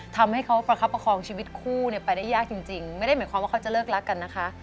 ทำให้เขาประคับประคองชีวิตคู่เนี่ยไปได้ยากจริงไม่ได้หมายความว่าเขาจะเลิกรักกันนะคะ